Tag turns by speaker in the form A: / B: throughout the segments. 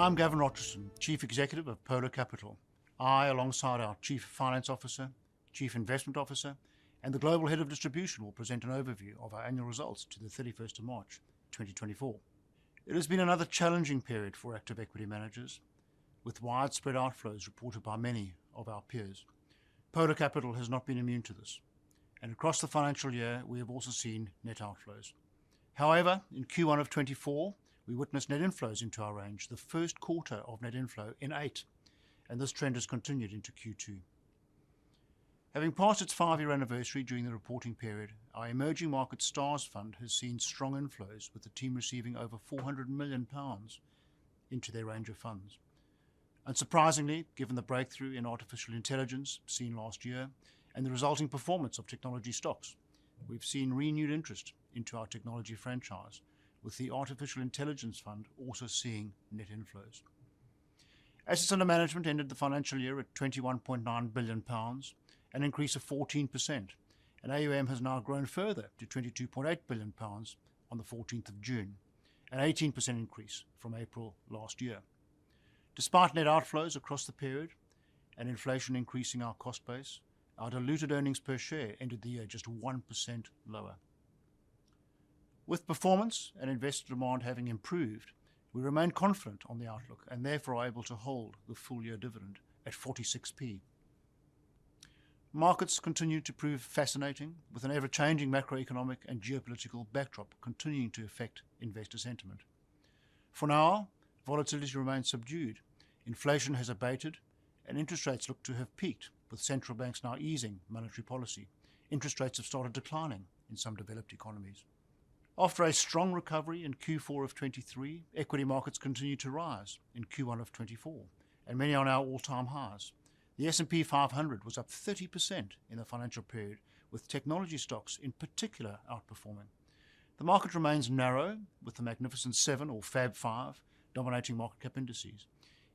A: I'm Gavin Rochussen, Chief Executive of Polar Capital. I, alongside our Chief Finance Officer, Chief Investment Officer, and the Global Head of Distribution, will present an overview of our annual results to the 31st of March 2024. It has been another challenging period for active equity managers, with widespread outflows reported by many of our peers. Polar Capital has not been immune to this, and across the financial year, we have also seen net outflows. However, in Q1 of 2024, we witnessed net inflows into our range, the first quarter of net inflow in eight, and this trend has continued into Q2. Having passed its five-year anniversary during the reporting period, our Emerging Market Stars Fund has seen strong inflows, with the team receiving over 400 million pounds into their range of funds. Unsurprisingly, given the breakthrough in Artificial Intelligence seen last year and the resulting performance of technology stocks, we've seen renewed interest into our technology franchise, with the Artificial Intelligence Fund also seeing net inflows. Assets under management ended the financial year at 21.9 billion pounds, an increase of 14%, and AUM has now grown further to 22.8 billion pounds on the 14th of June, an 18% increase from April last year. Despite net outflows across the period and inflation increasing our cost base, our diluted earnings per share ended the year just 1% lower. With performance and investor demand having improved, we remain confident on the outlook and therefore are able to hold the full-year dividend at 46p. Markets continue to prove fascinating, with an ever-changing macroeconomic and geopolitical backdrop continuing to affect investor sentiment. For now, volatility remains subdued, inflation has abated, and interest rates look to have peaked, with central banks now easing monetary policy. Interest rates have started declining in some developed economies. After a strong recovery in Q4 of 2023, equity markets continued to rise in Q1 of 2024, and many are at all-time highs. The S&P 500 was up 30% in the financial period, with technology stocks in particular outperforming. The market remains narrow, with the Magnificent Seven or Fab Five dominating market cap indices.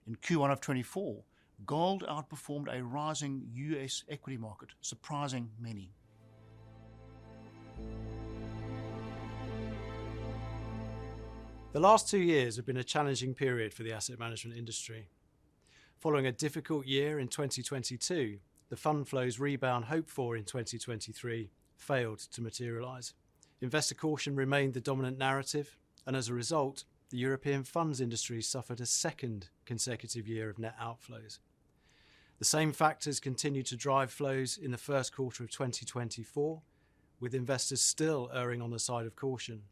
A: In Q1 of 2024, gold outperformed a rising US equity market, surprising many.
B: The last two years have been a challenging period for the asset management industry. Following a difficult year in 2022, the fund flows rebound hoped for in 2023 failed to materialize. Investor caution remained the dominant narrative, and as a result, the European funds industry suffered a second consecutive year of net outflows. The same factors continued to drive flows in the first quarter of 2024, with investors still erring on the side of caution.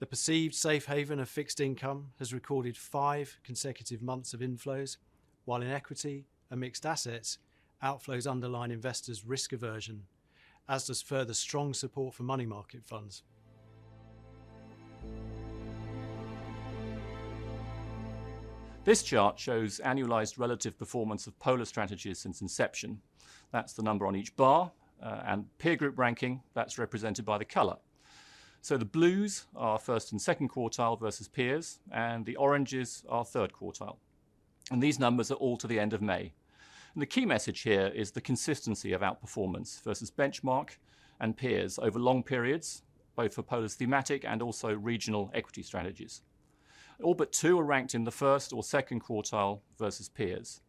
B: The perceived safe haven of fixed income has recorded five consecutive months of inflows, while in equity and mixed assets, outflows underline investors' risk aversion, as does further strong support for money market funds. This chart shows annualized relative performance of Polar Strategies since inception. That's the number on each bar, and peer group ranking, that's represented by the color. So the blues are first and second quartile versus peers, and the oranges are third quartile. These numbers are all to the end of May. The key message here is the consistency of outperformance versus benchmark and peers over long periods, both for Polar's thematic and also regional equity strategies. All but two are ranked in the first or second quartile versus peers.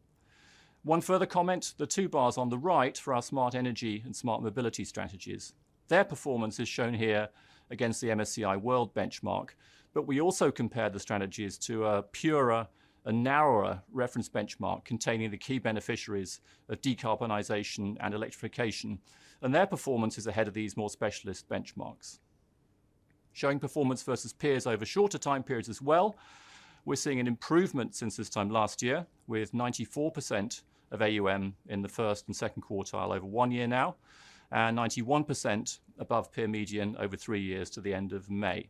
B: One further comment, the two bars on the right for our Smart Energy and Smart Mobility strategies. Their performance is shown here against the MSCI World benchmark, but we also compared the strategies to a purer and narrower reference benchmark containing the key beneficiaries of decarbonization and electrification, and their performance is ahead of these more specialist benchmarks. Showing performance versus peers over shorter time periods as well, we're seeing an improvement since this time last year, with 94% of AUM in the first and second quartile over one year now, and 91% above peer median over three years to the end of May.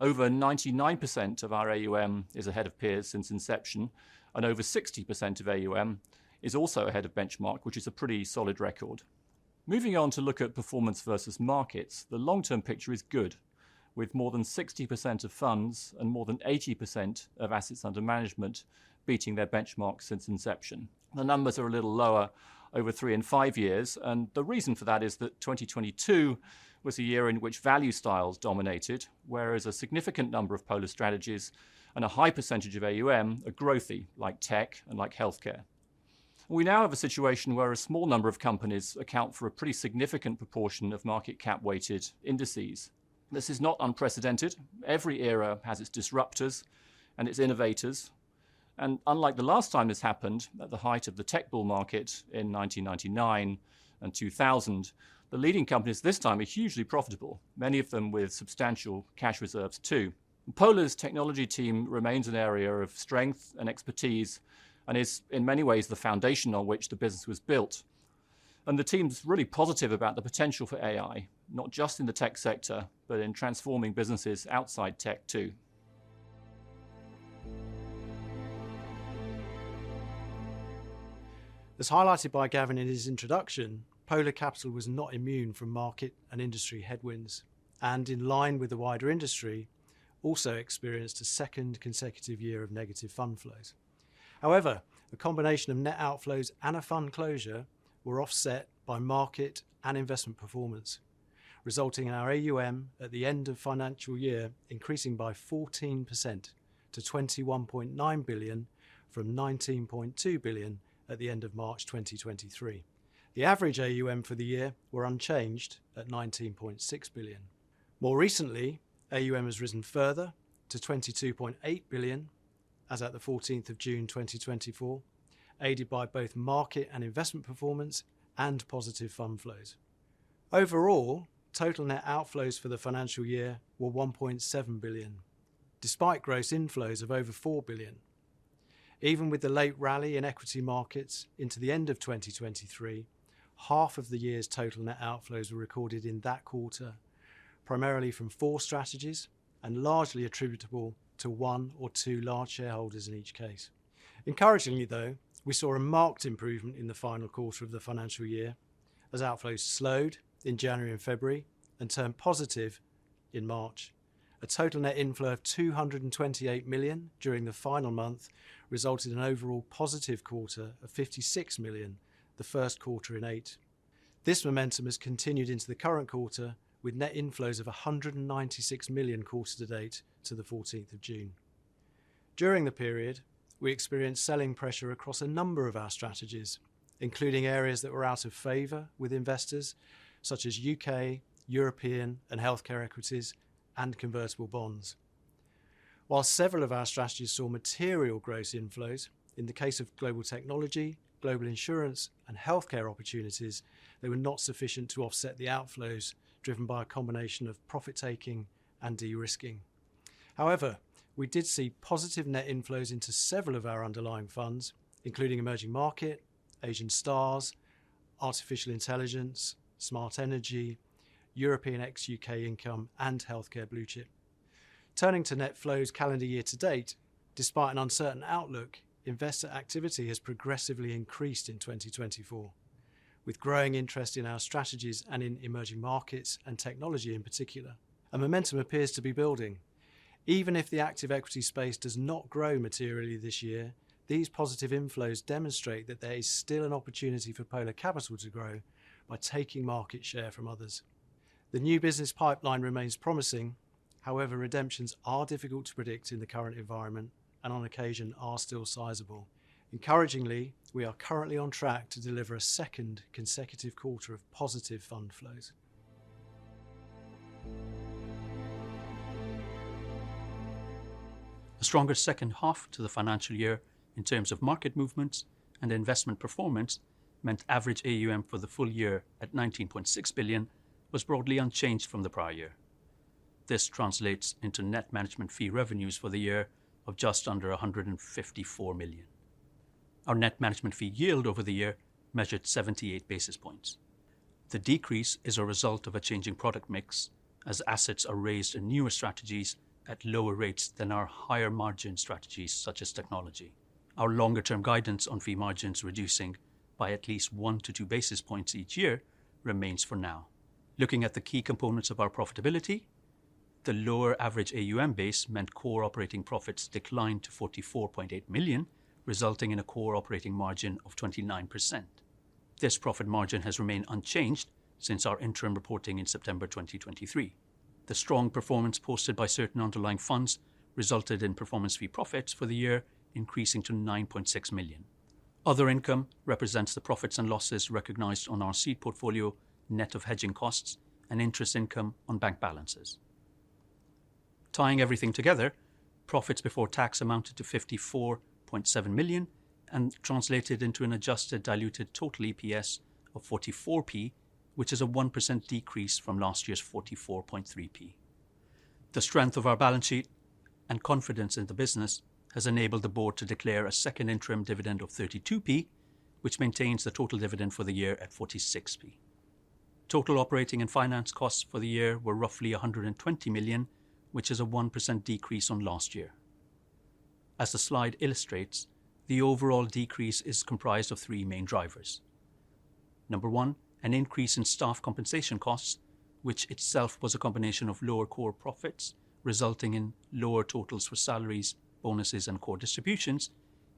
B: Over 99% of our AUM is ahead of peers since inception, and over 60% of AUM is also ahead of benchmark, which is a pretty solid record. Moving on to look at performance versus markets, the long-term picture is good, with more than 60% of funds and more than 80% of assets under management beating their benchmarks since inception. The numbers are a little lower over three and five years, and the reason for that is that 2022 was a year in which value styles dominated, whereas a significant number of Polar Strategies and a high percentage of AUM are growthy, like tech and like healthcare. We now have a situation where a small number of companies account for a pretty significant proportion of market cap-weighted indices. This is not unprecedented. Every era has its disruptors and its innovators. And unlike the last time this happened at the height of the tech bull market in 1999 and 2000, the leading companies this time are hugely profitable, many of them with substantial cash reserves too. Polar's technology team remains an area of strength and expertise and is, in many ways, the foundation on which the business was built. The team's really positive about the potential for AI, not just in the tech sector, but in transforming businesses outside tech too.
C: As highlighted by Gavin in his introduction, Polar Capital was not immune from market and industry headwinds, and in line with the wider industry, also experienced a second consecutive year of negative fund flows. However, a combination of net outflows and a fund closure were offset by market and investment performance, resulting in our AUM at the end of financial year increasing by 14% to 21.9 billion from 19.2 billion at the end of March 2023. The average AUM for the year was unchanged at 19.6 billion. More recently, AUM has risen further to 22.8 billion, as at the 14th of June 2024, aided by both market and investment performance and positive fund flows. Overall, total net outflows for the financial year were 1.7 billion, despite gross inflows of over 4 billion. Even with the late rally in equity markets into the end of 2023, half of the year's total net outflows were recorded in that quarter, primarily from four strategies and largely attributable to one or two large shareholders in each case. Encouragingly, though, we saw a marked improvement in the final quarter of the financial year, as outflows slowed in January and February and turned positive in March. A total net inflow of 228 million during the final month resulted in an overall positive quarter of 56 million the first quarter in eight. This momentum has continued into the current quarter, with net inflows of 196 million quarter to date to the 14th of June. During the period, we experienced selling pressure across a number of our strategies, including areas that were out of favor with investors, such as UK, European and healthcare equities, and convertible bonds. While several of our strategies saw material gross inflows, in the case of Global Technology, Global Insurance, and Healthcare Opportunities, they were not sufficient to offset the outflows driven by a combination of profit-taking and de-risking. However, we did see positive net inflows into several of our underlying funds, including Emerging Market Stars, Artificial Intelligence, Smart Energy, European ex-UK Income, and Healthcare Blue Chip. Turning to net flows calendar year to date, despite an uncertain outlook, investor activity has progressively increased in 2024, with growing interest in our strategies and in emerging markets and technology in particular. A momentum appears to be building. Even if the active equity space does not grow materially this year, these positive inflows demonstrate that there is still an opportunity for Polar Capital to grow by taking market share from others. The new business pipeline remains promising. However, redemptions are difficult to predict in the current environment and on occasion are still sizable. Encouragingly, we are currently on track to deliver a second consecutive quarter of positive fund flows.
D: A stronger second half to the financial year in terms of market movements and investment performance meant average AUM for the full year at 19.6 billion was broadly unchanged from the prior year. This translates into net management fee revenues for the year of just under 154 million. Our net management fee yield over the year measured 78 basis points. The decrease is a result of a changing product mix as assets are raised in newer strategies at lower rates than our higher margin strategies, such as technology. Our longer-term guidance on fee margins reducing by at least 1-2 basis points each year remains for now. Looking at the key components of our profitability, the lower average AUM base meant core operating profits declined to 44.8 million, resulting in a core operating margin of 29%. This profit margin has remained unchanged since our interim reporting in September 2023. The strong performance posted by certain underlying funds resulted in performance fee profits for the year increasing to 9.6 million. Other income represents the profits and losses recognized on our seed portfolio, net of hedging costs, and interest income on bank balances. Tying everything together, profits before tax amounted to 54.7 million and translated into an adjusted diluted total EPS of 44p, which is a 1% decrease from last year's 44.3p. The strength of our balance sheet and confidence in the business has enabled the board to declare a second interim dividend of 32p, which maintains the total dividend for the year at 46p. Total operating and finance costs for the year were roughly 120 million, which is a 1% decrease on last year. As the slide illustrates, the overall decrease is comprised of three main drivers. Number 1, an increase in staff compensation costs, which itself was a combination of lower core profits resulting in lower totals for salaries, bonuses, and core distributions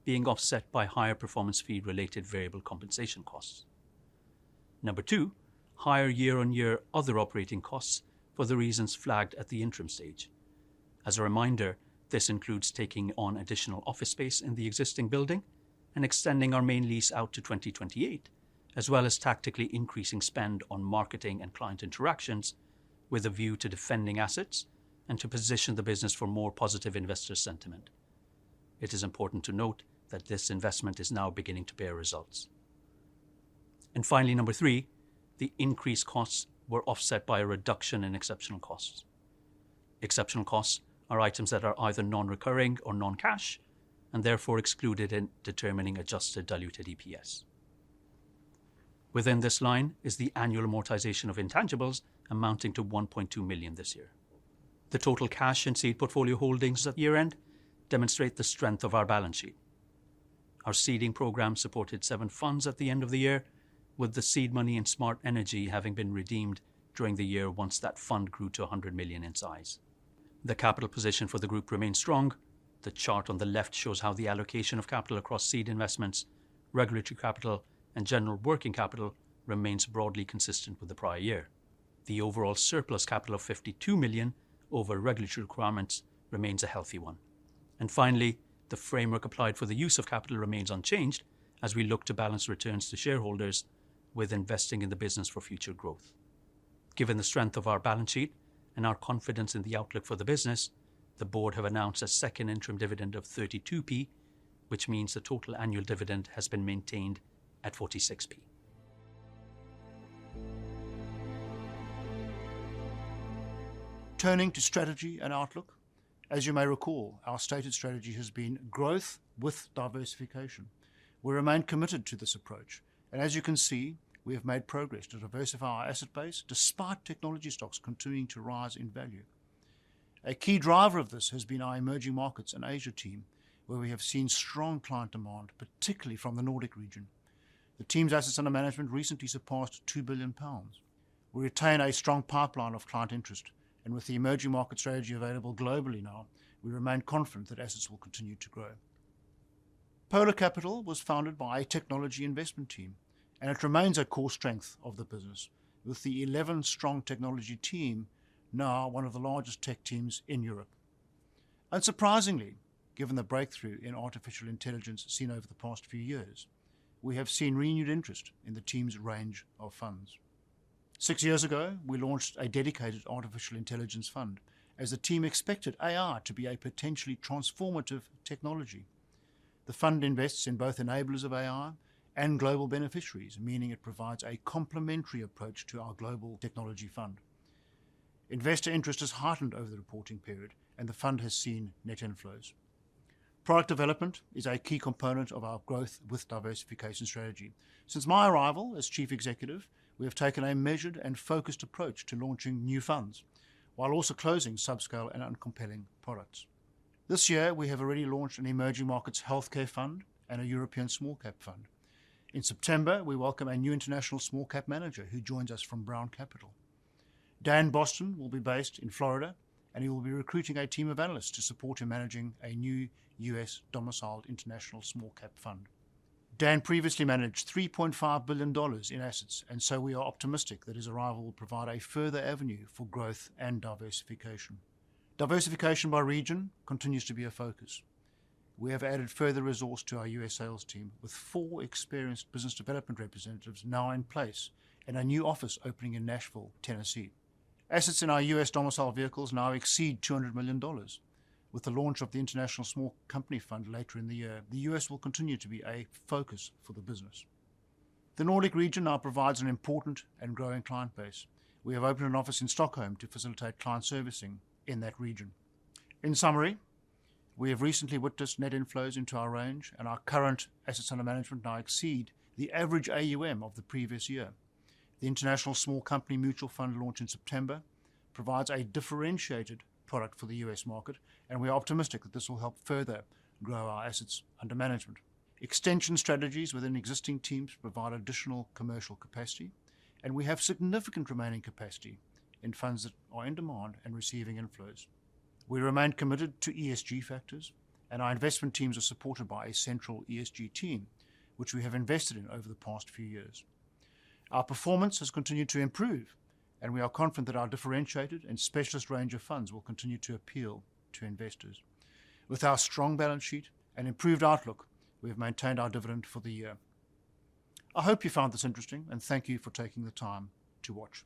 D: being offset by higher performance fee-related variable compensation costs. Number 2, higher year-on-year other operating costs for the reasons flagged at the interim stage. As a reminder, this includes taking on additional office space in the existing building and extending our main lease out to 2028, as well as tactically increasing spend on marketing and client interactions with a view to defending assets and to position the business for more positive investor sentiment. It is important to note that this investment is now beginning to bear results. And finally, number 3, the increased costs were offset by a reduction in exceptional costs. Exceptional costs are items that are either non-recurring or non-cash and therefore excluded in determining adjusted diluted EPS. Within this line is the annual amortization of intangibles amounting to 1.2 million this year. The total cash and seed portfolio holdings at year-end demonstrate the strength of our balance sheet. Our seeding program supported seven funds at the end of the year, with the seed money and Smart Energy having been redeemed during the year once that fund grew to 100 million in size. The capital position for the group remains strong. The chart on the left shows how the allocation of capital across seed investments, regulatory capital, and general working capital remains broadly consistent with the prior year. The overall surplus capital of 52 million over regulatory requirements remains a healthy one. And finally, the framework applied for the use of capital remains unchanged as we look to balance returns to shareholders with investing in the business for future growth. Given the strength of our balance sheet and our confidence in the outlook for the business, the board have announced a second interim dividend of 32p, which means the total annual dividend has been maintained at 46p.
A: Turning to strategy and outlook, as you may recall, our stated strategy has been growth with diversification. We remain committed to this approach. As you can see, we have made progress to diversify our asset base despite technology stocks continuing to rise in value. A key driver of this has been our Emerging Markets and Asia team, where we have seen strong client demand, particularly from the Nordic region. The team's assets under management recently surpassed 2 billion pounds. We retain a strong pipeline of client interest, and with the emerging market strategy available globally now, we remain confident that assets will continue to grow. Polar Capital was founded by a technology investment team, and it remains a core strength of the business, with the 11-strong technology team now one of the largest tech teams in Europe. Unsurprisingly, given the breakthrough in Artificial Intelligence seen over the past few years, we have seen renewed interest in the team's range of funds. Six years ago, we launched a dedicated Artificial Intelligence fund as the team expected AI to be a potentially transformative technology. The fund invests in both enablers of AI and global beneficiaries, meaning it provides a complementary approach to our Global Technology Fund. Investor interest has heightened over the reporting period, and the fund has seen net inflows. Product development is a key component of our growth with diversification strategy. Since my arrival as Chief Executive, we have taken a measured and focused approach to launching new funds, while also closing subscale and uncompelling products. This year, we have already launched an Emerging Markets Healthcare Fund and a European Small Cap Fund. In September, we welcome a new international small cap manager who joins us from Brown Capital. Dan Boston will be based in Florida, and he will be recruiting a team of analysts to support him managing a new U.S.-domiciled international small cap fund. Dan previously managed $3.5 billion in assets, and so we are optimistic that his arrival will provide a further avenue for growth and diversification. Diversification by region continues to be a focus. We have added further resource to our U.S. sales team with four experienced business development representatives now in place and a new office opening in Nashville, Tennessee. Assets in our U.S.-domiciled vehicles now exceed $200 million. With the launch of the International Small Company Fund later in the year, the U.S. will continue to be a focus for the business. The Nordic region now provides an important and growing client base. We have opened an office in Stockholm to facilitate client servicing in that region. In summary, we have recently witnessed net inflows into our range, and our current assets under management now exceed the average AUM of the previous year. The International Small Company Mutual Fund launched in September provides a differentiated product for the U.S. market, and we are optimistic that this will help further grow our assets under management. Extension strategies within existing teams provide additional commercial capacity, and we have significant remaining capacity in funds that are in demand and receiving inflows. We remain committed to ESG factors, and our investment teams are supported by a central ESG team, which we have invested in over the past few years. Our performance has continued to improve, and we are confident that our differentiated and specialist range of funds will continue to appeal to investors. With our strong balance sheet and improved outlook, we have maintained our dividend for the year. I hope you found this interesting, and thank you for taking the time to watch.